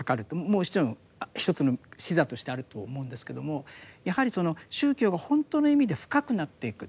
もちろん一つの視座としてあると思うんですけれどもやはりその宗教がほんとの意味で深くなっていく。